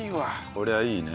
こりゃいいね。